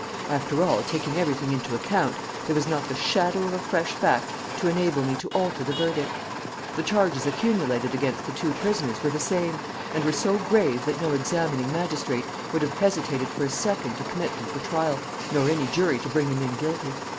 "After all, taking everything into account, there was not the shadow of a fresh fact to enable me to alter the verdict. The charges accumulated against the two prisoners were the same, and were so grave that no examining magistrate would have hesitated for a second to commit them for trial, nor any jury to bring them in guilty.